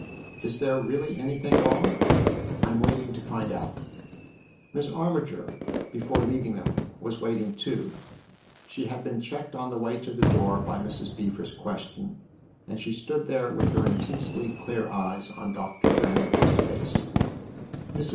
" Is there really anything wrong ?"" I'm waiting to find out." Miss Armiger, before leaving them, was waiting too. She had been checked on the way to the door by Mrs. Beever's question, and she stood there with her intensely clear eyes on Doctor Ramage's face.